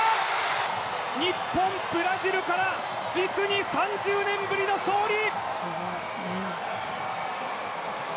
日本、ブラジルから実に３０年ぶりの勝利！